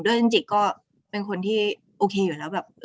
จริงก็เป็นคนที่โอเคอยู่แล้วแบบ